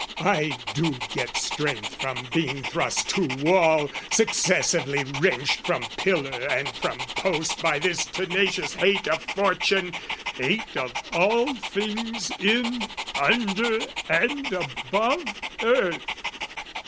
I do get strength from being thrust to wall, Successively wrenched from pillar and from post By this tenacious hate of fortune, hate Of all things in, under, and above earth.